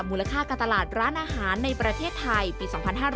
มูลค่าการตลาดร้านอาหารในประเทศไทยปี๒๕๕๙